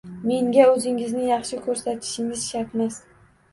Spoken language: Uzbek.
Menga o`zingizni yaxshi ko`rsatishingiz shartmas